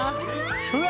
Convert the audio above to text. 「うわ！